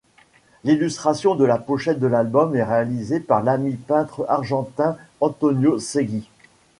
L'illustration de la pochette de l'album est réalisée par l'ami peintre argentin Antonio Segui.